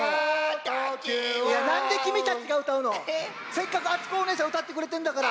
せっかくあつこおねえさんうたってくれてんだから。